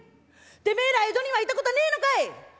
てめえら江戸には行ったことはねえのかい！？」。